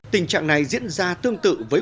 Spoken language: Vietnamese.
tình trạng này diễn ra tương tự với